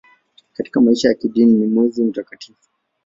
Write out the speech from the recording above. Katika maisha ya kidini ni mwezi mtakatifu.